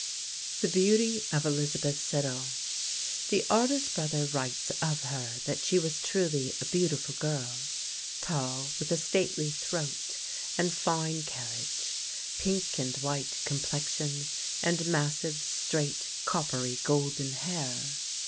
THE BEAUTY OF ELIZABETH SIDDAL [Illustration: ELIZABETH SIDDAL, BY ROSSETTI] The artist's brother writes of her that she was truly a beautiful girl, tall, with a stately throat and fine carriage, pink and white complexion, and massive, straight, coppery golden hair.